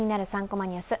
３コマニュース」